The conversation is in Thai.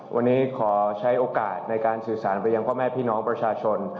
วันนี้ขอใช้โอกาสในการสื่อสารไปยังพ่อแม่พี่น้องประชาชน